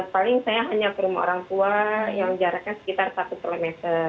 paling saya hanya ke rumah orang tua yang jaraknya sekitar satu km